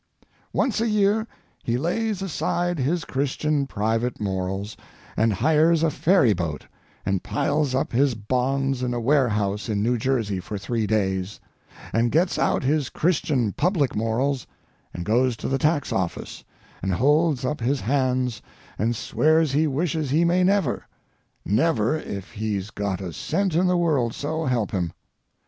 Once a year he lays aside his Christian private morals and hires a ferry boat and piles up his bonds in a warehouse in New Jersey for three days, and gets out his Christian public morals and goes to the tax office and holds up his hands and swears he wishes he may never—never if he's got a cent in the world, so help him.